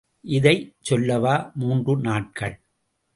இதைச் சொல்லவா மூன்று நாட்கள்.